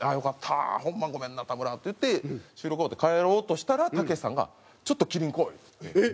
ホンマごめんな田村」って言って収録終わって帰ろうとしたらたけしさんが「ちょっと麒麟来い」って言って。